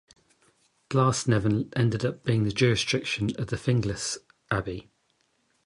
Glasnevin ended up under the jurisdiction of Finglas Abbey.